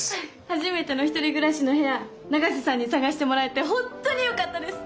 初めての１人暮らしの部屋永瀬さんに探してもらえて本当によかったです。